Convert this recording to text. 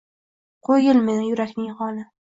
Qo’ygil meni, yurakning qoni